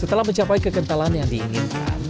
setelah mencapai kekentalan yang diinginkan